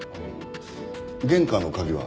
玄関の鍵は？